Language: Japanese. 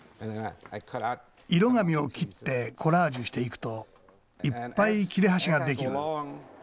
色紙を切ってコラージュしていくといっぱい切れ端ができる。